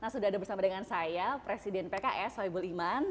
sudah ada bersama dengan saya presiden pks sohibul iman